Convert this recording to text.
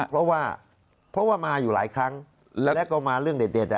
เพราะว่ามาอยู่หลายครั้งและมาเรื่องเด็ด